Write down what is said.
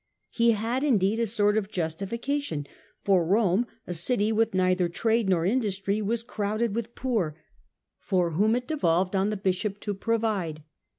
He had indeed a sort of justification, for Home, a city with neither trade nor industry, was crowded with poor, for whom it de volved on the bishop to provide " (Bryce)